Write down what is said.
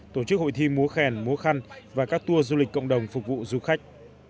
tổ chức hội thi múa khen múa khăn và các tour du lịch cộng đồng phục vụ du khách